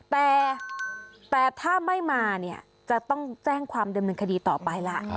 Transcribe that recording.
แต่ถ้าไม่มาเนี่ยจะต้องแจ้งความดำเนินคดีต่อไปล่ะ